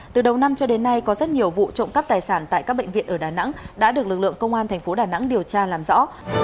từ đầu năm cho đến nay có rất nhiều vụ trộm cắp tài sản tại các bệnh viện ở đà nẵng đã được lực lượng công an thành phố đà nẵng điều tra làm rõ